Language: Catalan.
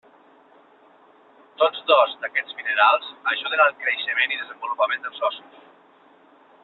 Tots dos d'aquests minerals ajuden al creixement i desenvolupament dels ossos.